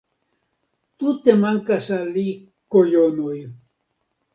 Tute mankas al li kojonoj